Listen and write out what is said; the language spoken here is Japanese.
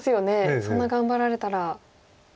そんな頑張られたら。